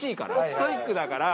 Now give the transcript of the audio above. ストイックだから。